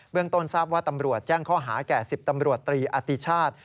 ต้นทราบว่าตำรวจแจ้งข้อหาแก่๑๐ตำรวจตรีอติชาติ